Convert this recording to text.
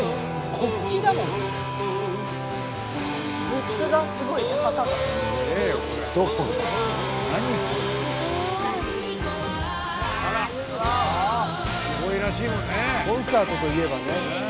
コンサートといえばね。